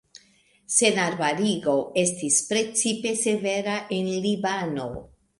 Senarbarigo estis precipe severa en Libano.